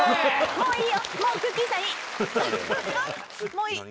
もういい。